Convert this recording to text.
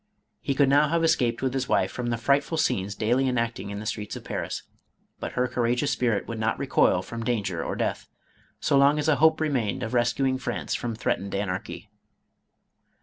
He could now have escaped with his wife from the frightful scenes daily enacting in the streets of Paris, but her courageous spirit would not recoil from danger or death, so long as a hope remained of rescuing France from threatened anarchy.